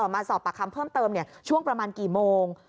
มาสอบปากคำเพิ่มเติมช่วงประมาณกี่โมง